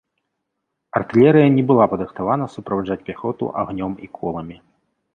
Артылерыя не была падрыхтавана суправаджаць пяхоту агнём і коламі.